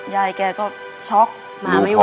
ยายแกก็ช็อกมาไม่ไหว